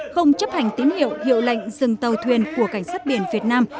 không chấp hành tín hiệu hiệu lệnh dừng tàu thuyền của cảnh sát biển việt nam